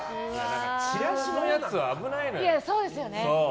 チラシのやつは危ないのよ。